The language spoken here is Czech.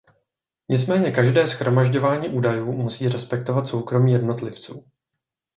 Nicméně každé shromažďování údajů musí respektovat soukromí jednotlivců.